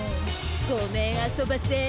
ごめんあそばせ。